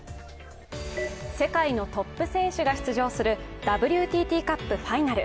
世界のトップ選手が出場するＷＴＡカップファイナル。